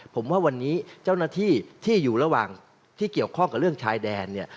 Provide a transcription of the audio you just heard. ผมว่าวันนี้เจ้าหน้าที่ที่อยู่ระหว่างที่เกี่ยวข้องกับเรื่องชายแดนเนี่ย